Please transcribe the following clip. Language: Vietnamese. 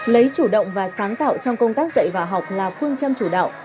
lấy chủ động và sáng tạo trong công tác dạy và học là phương châm chủ đạo